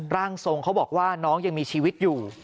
ร่างทรงเขาบอกว่าน้องยังมีชีวิตอยู่